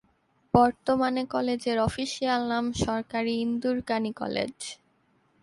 বর্তমানে কলেজের অফিসিয়াল নাম সরকারি ইন্দুরকানী কলেজ।